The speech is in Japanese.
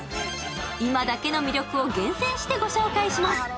今だけの魅力を厳選してご紹介します。